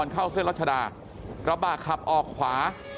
กระบาดขับออกขวา